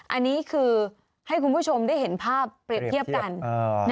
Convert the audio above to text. อันนี้คือให้คุณผู้ชมได้เห็นภาพเปรียบเทียบกัน